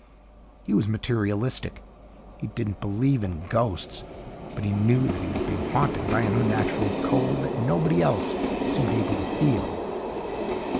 He was materialistic. He didn't believe in ghosts. But he knew that he was being haunted by an unnatural cold that nobody else seemed able to feel.